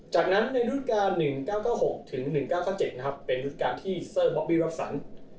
จากนั้นในรุ่นการ๑๙๙๖ถึง๑๙๙๗นะครับเป็นฤดูการที่เซอร์บอบบี้รับสัน